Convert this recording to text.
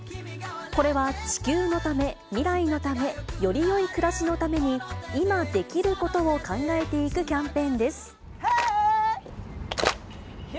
これは地球のため、未来のため、よりよい暮らしのために、今できることを考えていくキャンペーンです。